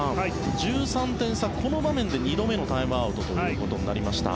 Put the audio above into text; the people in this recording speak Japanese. １３点差この場面で２度目のタイムアウトということになりました。